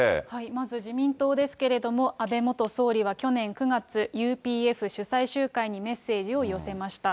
まず自民党ですけれども、安倍元総理は去年９月、ＵＰＦ主催集会にメッセージを寄せました。